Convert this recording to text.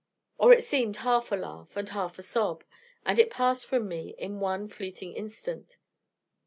Or it seemed half a laugh, and half a sob: and it passed from me in one fleeting instant.